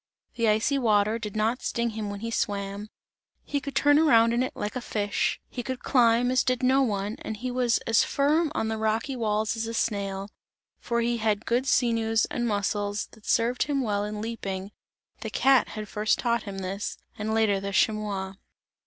The icy water did not sting him when he swam, he could turn around in it like a fish; he could climb as did no one, and he was as firm on the rocky walls as a snail for he had good sinews and muscles that served him well in leaping the cat had first taught him this, and later the chamois.